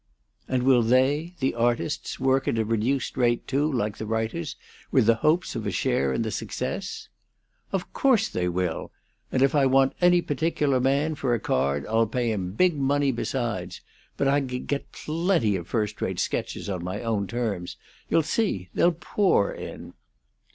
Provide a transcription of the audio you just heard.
"And will they the artists work at a reduced rate, too, like the writers, with the hopes of a share in the success?" "Of course they will! And if I want any particular man, for a card, I'll pay him big money besides. But I can get plenty of first rate sketches on my own terms. You'll see! They'll pour in!"